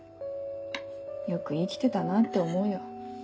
よく生きてたなぁって思うよ。